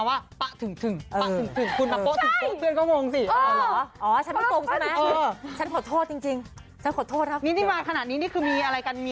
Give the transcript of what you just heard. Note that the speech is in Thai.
มาพูดจากคุณปยคุณท่านไว้